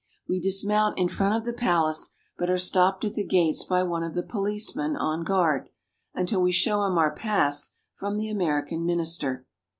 We dismount in front of the palace, but are stopped at the gates by one of the policemen on guard, until we show him our pass from the American Minister.